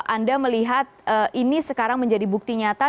anda melihat ini sekarang menjadi bukti nyata